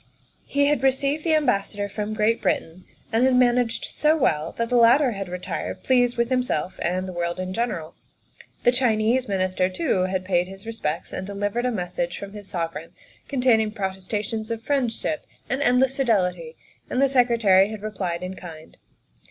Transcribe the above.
He had received the Ambassador from Great Britain, and had managed so well that the latter had retired THE SECRETARY OF STATE 73 pleased with himself and the world in general. The Chinese Minister too had paid his respects and delivered a message from his sovereign containing protestations of friendship and endless fidelity, and the Secretary had replied in kind.